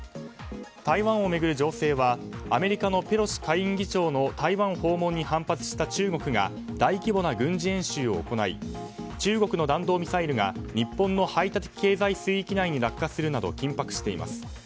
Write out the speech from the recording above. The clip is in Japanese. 台湾を巡る情勢はアメリカのペロシ下院議長の台湾訪問に反発した中国が軍事演習を行い中国の弾道ミサイルが日本の排他的経済水域内に落下するなど緊迫しています。